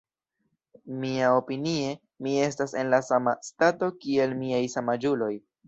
Miaopinie, mi estas en la sama stato kiel miaj samaĝuloj.